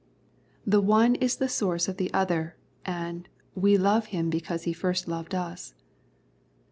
The one is the source of the other, and " we love Him because He first loved us."